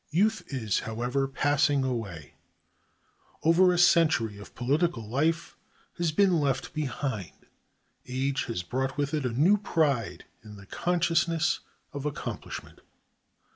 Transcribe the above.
Youth is, however, passing away; over a century of political life has been left behind; age has brought with it a new pride in the consciousness of accomplishment.